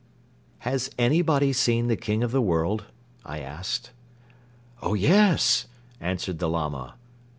"Has anybody seen the King of the World?" I asked. "Oh, yes!" answered the Lama.